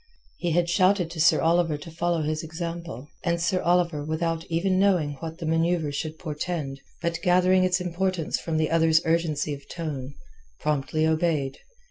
He had shouted to Sir Oliver to follow his example, and Sir Oliver without even knowing what the manoeuvre should portend, but gathering its importance from the other's urgency of tone, promptly obeyed.